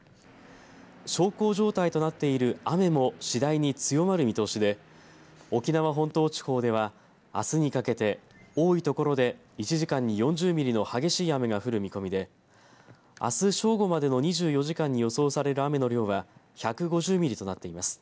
小康状態となっている雨も次第に強まる見通しで沖縄本島地方ではあすにかけて多いところで１時間に４０ミリの激しい雨が降る見込みであす正午までの２４時間に予想される雨の量は１５０ミリとなっています。